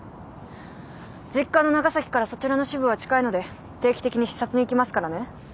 実家の長崎からそちらの支部は近いので定期的に視察に行きますからね。